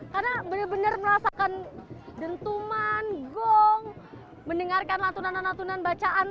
karena benar benar merasakan dentuman gong mendengarkan latunan latunan bacaan